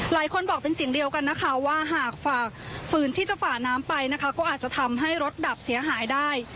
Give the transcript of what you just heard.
หลายคนบอกเป็นสิ่งเดียวกันว่าหากฝากฝืนที่จะฝากน้ำไปก็อาจจะคนเราะจะทำให้รถดับเสียหายได้